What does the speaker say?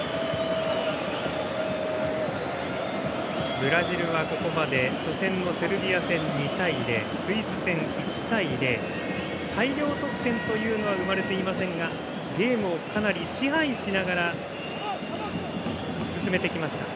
ブラジルはここまで初戦のセルビア戦２対０スイス戦、１対０大量得点は生まれていませんがゲームをかなり支配しながら進めてきました。